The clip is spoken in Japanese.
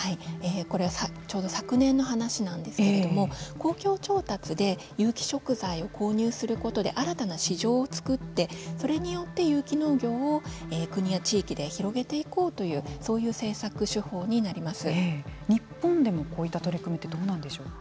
これはちょうど昨年の話なんですけれども公共調達で有機食材を購入することで新たな市場を作ってそれによって有機農業を国や地域で広げていこうという日本でもこういった取り組みってどうなんでしょうか。